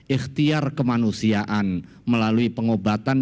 ikhtiar kemanusiaan melalui pengobatan